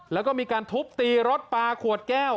แล้วก็มีการทุบตีรถปลาขวดแก้ว